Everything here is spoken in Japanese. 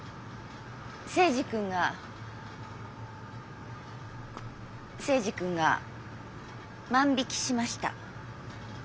征二君が征二君が万引きしました。